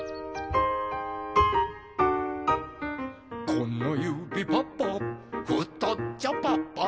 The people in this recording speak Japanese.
「このゆびパパふとっちょパパ」